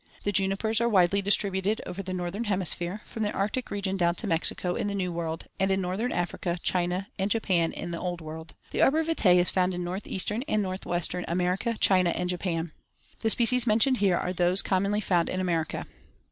The junipers are widely distributed over the northern hemisphere, from the Arctic region down to Mexico in the New World, and in northern Africa, China, and Japan in the Old World. The arbor vitae is found in northeastern and northwestern America, China, and Japan. The species mentioned here are those commonly found in America.